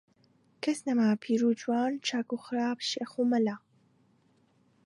کەس نەما، پیر و جەوان، چاک و خراپ، شێخ و مەلا